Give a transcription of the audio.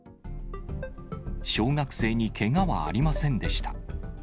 小学生にけがはありませんでした。